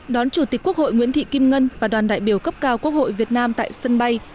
đón chủ tịch quốc hội nguyễn thị kim ngân và đoàn đại biểu cấp cao quốc hội việt nam tại sân bay